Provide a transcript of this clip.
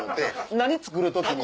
何作る時に。